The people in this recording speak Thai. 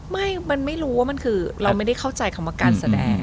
ไม่มันไม่รู้ว่ามันคือเราไม่ได้เข้าใจคำว่าการแสดง